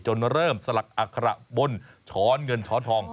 เริ่มสลักอัคระบนช้อนเงินช้อนทอง